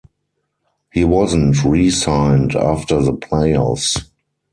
He wasn't re-signed after the playoffs.